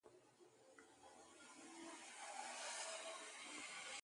I no fit lack tin for tok.